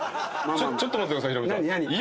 ちょっと待ってくださいヒロミさん。